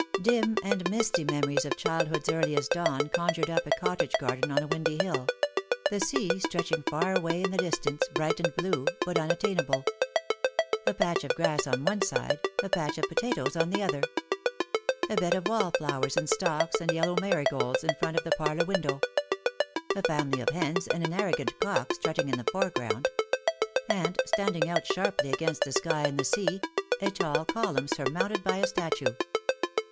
Dim and misty memories of childhood's earliest dawn conjured up a cottage garden on a windy hill ; the sea stretching far away in the distance, bright and blue, but unattainable ; a patch of grass on one side, a patch of potatoes on the other ; a bed of wallflowers and stocks and yellow mari golds in front of the parlour window ; a family of hens aad an arrogant cock strutting in the foreground ; and, standing out sharply against the sky and the sea, a tall column surmounted by a statue.